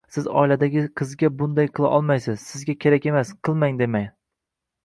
Siz oiladagi qizga bunday qila olmaysiz, sizga kerak emas, qilmang, demang